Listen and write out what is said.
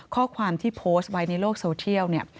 ข้อความที่โพสต์ไว้ในโลกโซเทียลเนี่ย